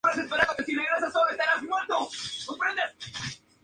Separa la cuenca del Río Cabrera de la del Río Eria.